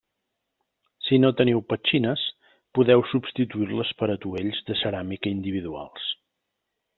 Si no teniu petxines, podeu substituir-les per atuells de ceràmica individuals.